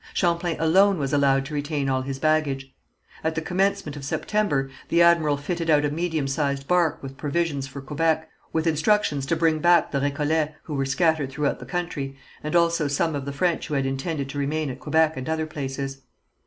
Champlain alone was allowed to retain all his baggage. At the commencement of September the admiral fitted out a medium sized barque with provisions for Quebec, with instructions to bring back the Récollets who were scattered throughout the country, and also some of the French who had intended to remain at Quebec and other places.